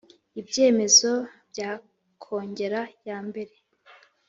Ibyemezo bya Kongere ya mbere